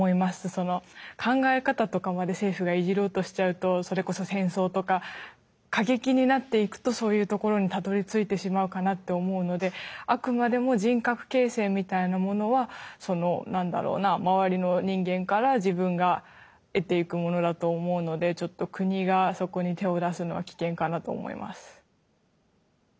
その考え方とかまで政府がいじろうとしちゃうとそれこそ戦争とか過激になっていくとそういうところにたどりついてしまうかなって思うのであくまでも人格形成みたいなものはその何だろうな周りの人間から自分が得ていくものだと思うのでちょっと国がそこに手を出すのは危険かなと思います。